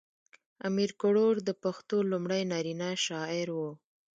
امیر کروړ د پښتو لومړی نرینه شاعر و .